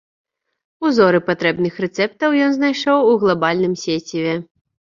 Узоры патрэбных рэцэптаў ён знайшоў у глабальным сеціве.